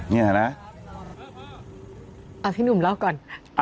นี่แหละที่นุ่มเล่าก่อน